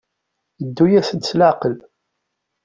Ddu-asent s leɛqel.